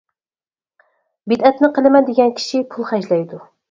بىدئەتنى قىلىمەن دېگەن كىشى پۇل خەجلەيدۇ.